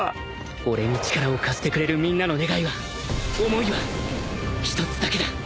「俺に力を貸してくれるみんなの願いは思いは一つだけだ」